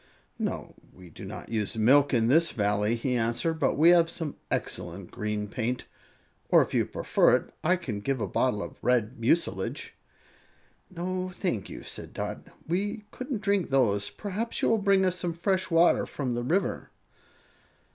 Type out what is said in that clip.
"No, we do not use milk in this Valley," he answered. "But we have some excellent green paint, or, if you prefer it, I can give a bottle of red mucilage." "No, thank you," said Dot; "we couldn't drink those. Perhaps you will bring us some fresh water from the river."